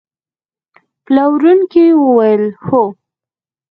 پلورونکي وویل: هو.